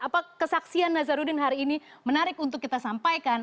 apa yang nazaruddin hari ini menarik untuk kita sampaikan